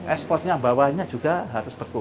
eksportnya bawahnya juga harus beku